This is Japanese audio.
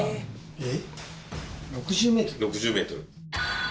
えっ？